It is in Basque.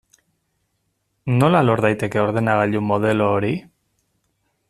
Nola lor daiteke ordenagailu modelo hori?